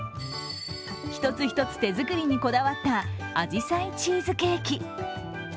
一つ一つ手作りにこだわった、あじさいチーズケーキ。